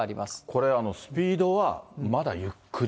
これ、スピードは、まだゆっくり？